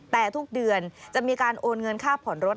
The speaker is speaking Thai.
แต่ทุกเดือนจะมีการโอนเงินค่าผ่อนรถ